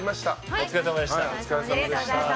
お疲れさまでした。